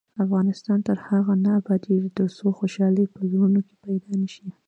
افغانستان تر هغو نه ابادیږي، ترڅو خوشحالي په زړونو کې پیدا نشي.